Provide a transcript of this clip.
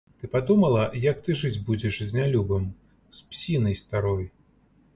Ты падумала, як ты жыць будзеш з нялюбым, з псінай старой?